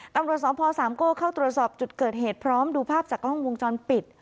ตำรวจสพสามโก้เข้าตรวจสอบจุดเกิดเหตุพร้อมดูภาพจากกล้องวงจรปิด